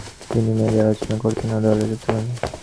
তিনি মেয়েদের সাথে আলোচনা করতেন ও দলে যুক্ত করতেন।